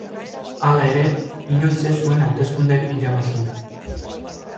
Hala ere, inoiz ez zuen hauteskunderik irabazi.